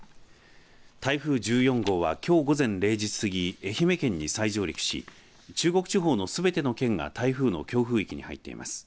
台風１４号はきょう午前０時すぎ愛媛県に再上陸し中国地方のすべての県が台風の強風域に入っています。